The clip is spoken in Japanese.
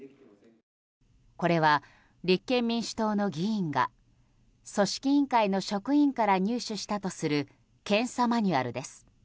これは、立憲民主党の議員が組織委員会の職員から入手したとする検査マニュアルです。